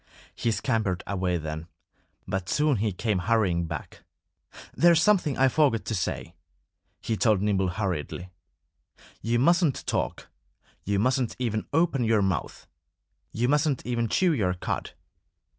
He scampered away then. But soon he came hurrying back. "There's something I forgot to say," he told Nimble hurriedly. "You mustn't talk. You mustn't even open your mouth. You mustn't even chew your cud."